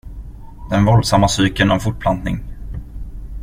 Den våldsamma cykeln av fortplantning.